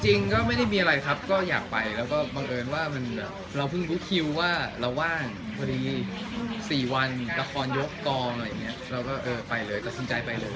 จริงก็ไม่ได้มีอะไรครับก็อยากไปแล้วก็บังเอิญว่ามันแบบเราเพิ่งรู้คิวว่าเราว่างพอดี๔วันละครยกกองอะไรอย่างนี้เราก็เออไปเลยตัดสินใจไปเลย